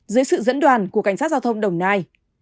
dưới sự dẫn đoàn của cảnh sát giao thông đồng nai